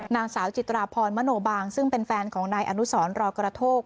นางสาวจิตราพรมโนบางซึ่งเป็นแฟนของนายอนุสรรอกระโทก